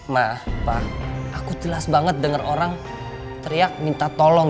nah pak aku jelas banget dengar orang teriak minta tolong